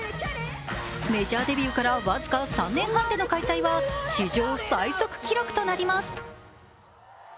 メジャーデビューから僅か３年半での開催は史上最速記録となります。